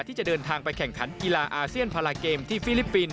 ที่จะเดินทางไปแข่งขันกีฬาอาเซียนพาราเกมที่ฟิลิปปินส